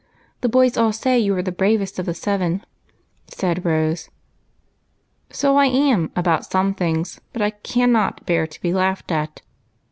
The boys all say you are the bravest of the seven,'* said Rose. " So I am about some things, but I cannot bear to be laughed at."